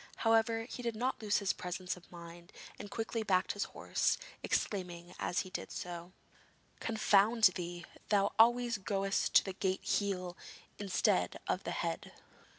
However, he did not lose his presence of mind, and quickly backed his horse, exclaiming as he did so: 'Confound thee! thou always goest to the gate heel instead of the head.'